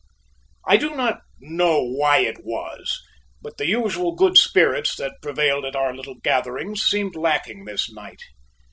I do not know why it was, but the usual good spirits that prevailed at our little gatherings seemed lacking this night.